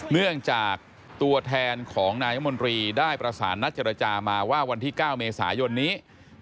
เนื่องจากตัวแทนของนายมนตรีได้ประสานนัดเจรจามาว่าวันที่๙เมษายนนี้